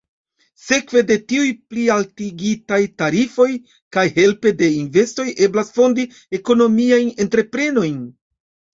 Sekve de tiuj plialtigitaj tarifoj kaj helpe de investoj eblas fondi ekonomiajn entreprenojn.